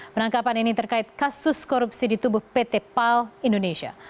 penangkapan ini terkait kasus korupsi di tubuh pt pal indonesia